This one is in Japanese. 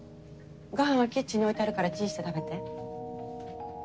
ご飯はキッチンに置いてあるからチンして食べて。